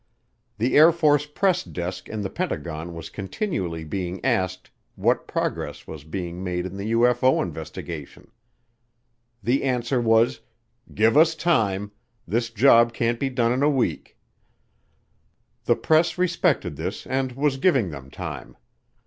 The Air Force Press Desk in the Pentagon was continually being asked what progress was being made in the UFO investigation. The answer was, "Give us time. This job can't be done in a week." The press respected this and was giving them time.